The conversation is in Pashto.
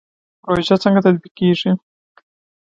پروژه څنګه تطبیقیږي؟